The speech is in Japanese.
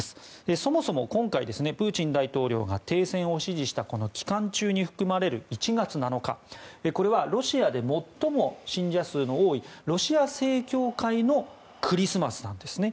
そもそも今回、プーチン大統領が停戦を指示した期間中に含まれる１月７日これはロシアで最も信者数の多いロシア正教会のクリスマスなんですね。